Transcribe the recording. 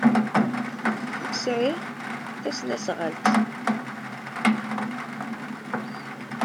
Nekk sɛiɣ tasnasɣalt.